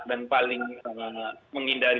dan paling menghindari